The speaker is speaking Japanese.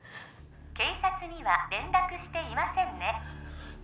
警察には連絡していませんね？